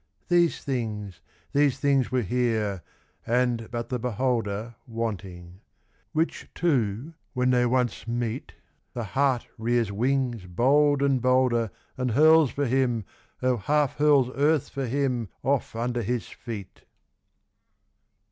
These things, these things were here and but the beholder Wanting; which two when they once meet, The heart rears wings bold and bolder And hurls for him, O half hurls earth for him off under his feet.